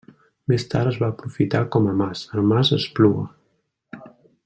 Més tard es va aprofitar com a mas: el mas Espluga.